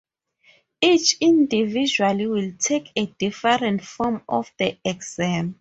Each individual will take a different form of the exam.